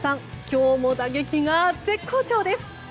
今日も打撃が絶好調です！